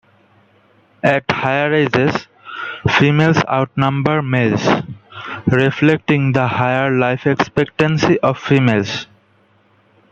At higher ages, females outnumber males, reflecting the higher life expectancy of females.